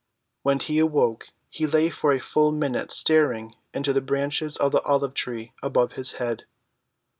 When he awoke he lay for a full minute staring into the branches of the olive‐tree above his head.